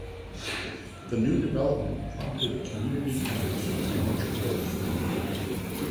The new development prompted community efforts to manage growth.